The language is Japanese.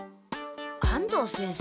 安藤先生